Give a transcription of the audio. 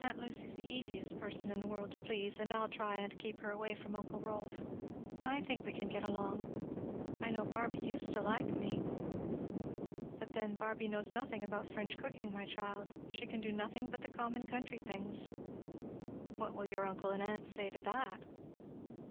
Aunt Lucy's the easiest person in the world to please, and I'll try and keep her away from uncle Rolf. I think we can get along. I know Barby used to like me." "But then Barby knows nothing about French cooking, my child; she can do nothing but the common country things. What will your uncle and aunt say to that?"